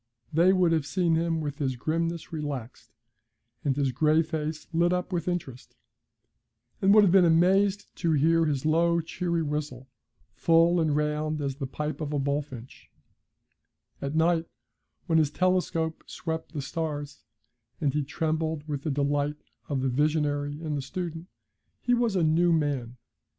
They would have seen him with his grimness relaxed, and his gray face lit up with interest, and would have been amazed to hear his low, cheery whistle, full and round as the pipe of a bullfinch; at night, when his telescope swept the stars, and he trembled with the delight of the visionary and the student, he was a new man.